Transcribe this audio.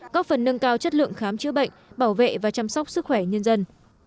có phần nâng cao chất lượng khám chữa bệnh bảo vệ và chăm sóc sức khỏe nhân dân